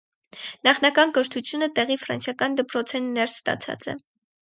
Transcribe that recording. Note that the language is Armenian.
Նախնական կրթութիւնը տեղի ֆրանսական դպրոցէն ներս ստացած է։